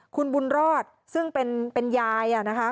คุณบุญรอดซึ่งเป็นยายนะคะ